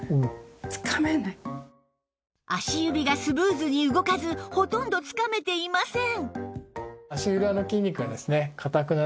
足指がスムーズに動かずほとんどつかめていません